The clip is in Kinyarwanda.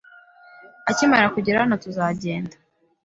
akimara kugera hano, tuzagenda.